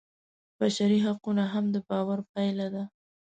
بشري حقونه هم د باور پایله ده.